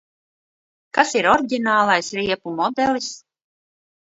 Kas ir oriģinālais riepu modelis?